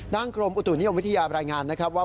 กรมอุตุนิยมวิทยารายงานนะครับว่า